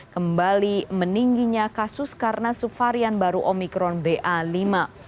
kembali meningginya kasus karena subvarian baru omikron ba lima